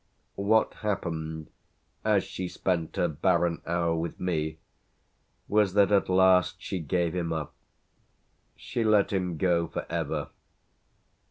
What happened as she spent her barren hour with me was that at last she gave him up. She let him go for ever.